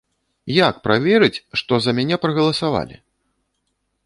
Як праверыць, што за мяне прагаласавалі?